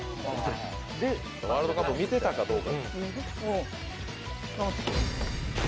ワールドカップ見てたかどうか。